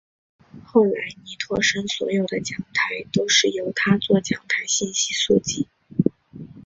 后来倪柝声所有的讲台都是由他作讲台信息速记。